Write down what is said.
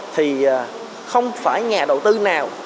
thì không phải nhà đầu tư nào